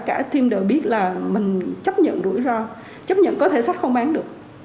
cả im đều biết là mình chấp nhận rủi ro chấp nhận có thể sách không bán được